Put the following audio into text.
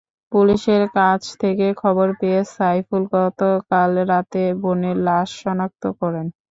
পুলিশের কাছ থেকে খবর পেয়ে সাইফুল গতকাল রাতে বোনের লাশ শনাক্ত করেন।